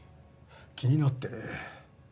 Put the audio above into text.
気になってね。